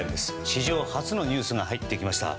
史上初のニュースが入ってきました。